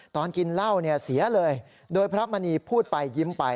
ตอนกินเหล้าเนี่ยเสียเลยโดยพระมณีพูดไปยิ้มไป